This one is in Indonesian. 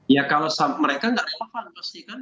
ya kalau mereka nggak relevan pasti kan